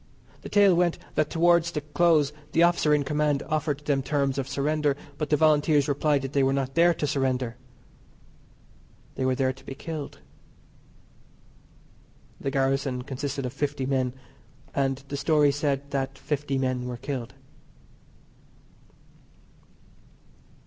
The tale went that towards the close the officer in command offered them terms of surrender, but the Volunteers replied that they were not there to surrender. They were there to be killed. The garrison consisted of fifty men, and the story said that fifty men were killed.